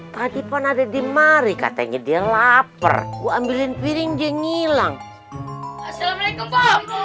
tadi pun ada di mari katanya dia lapar gua ambilin piring jeng hilang assalamualaikum